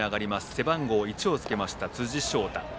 背番号１をつけた辻晶太。